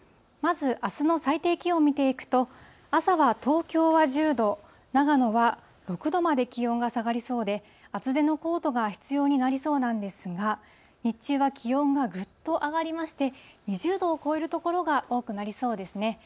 まず、あすの最低気温を見ていくと、朝は東京は１０度、長野は６度まで気温が下がりそうで、厚手のコートが必要になりそうなんですが、日中は気温がぐっと上がりまして、２０度を超える所が多くなりそうですね。